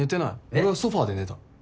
俺はソファで寝た。